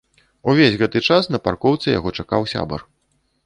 Увесь гэты час на паркоўцы яго чакаў сябар.